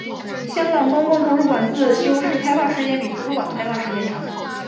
香港公共图书馆自修室开放时间比图书馆的开放时间长。